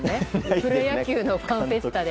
プロ野球のファンフェスタで。